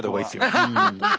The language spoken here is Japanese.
アハハハッ！